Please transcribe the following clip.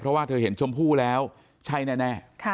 เพราะว่าเธอเห็นชมพู่แล้วใช่แน่